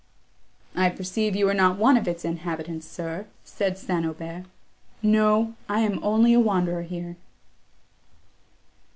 "I perceive you are not one of its inhabitants, sir," said St. Aubert. "No, sir, I am only a wanderer here."